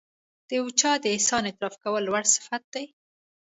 د یو چا د احسان اعتراف کول لوړ صفت دی.